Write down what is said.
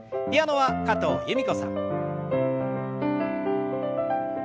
ピアノは加藤由美子さん。